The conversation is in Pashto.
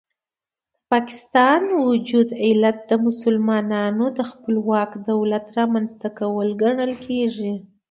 د پاکستان وجود علت د مسلمانانو د خپلواک دولت رامنځته کول ګڼل کېږي.